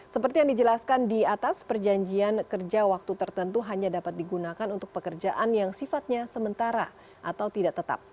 seperti yang dijelaskan di atas perjanjian kerja waktu tertentu hanya dapat digunakan untuk pekerjaan yang sifatnya sementara atau tidak tetap